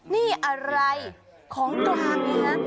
นี่อะไรของกลางเนี่ยฮะ